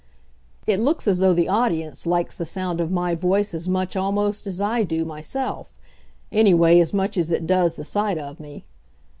It looks as though the audience likes the sound of my voice as much almost as I do myself; anyway, as much as it does the sight of me.